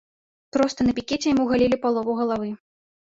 Проста на пікеце яму галілі палову галавы.